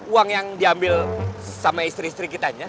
uang yang diambil sama istri istri kitanya